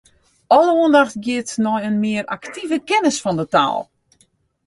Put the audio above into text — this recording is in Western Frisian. Alle oandacht giet nei in mear aktive kennis fan 'e taal.